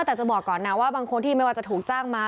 แต่จะบอกก่อนนะว่าบางคนที่ไม่ว่าจะถูกจ้างมา